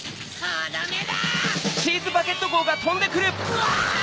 うわ！